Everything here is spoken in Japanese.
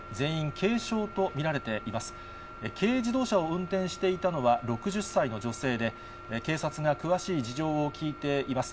軽自動車を運転していたのは、６０歳の女性で、警察が詳しい事情を聴いています。